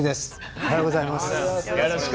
おはようございます。